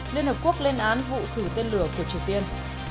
liên hợp quốc lên án vụ thử tên lửa của triều tiên